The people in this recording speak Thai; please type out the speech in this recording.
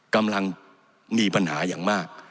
กำลังมีปัญหาอย่างมาก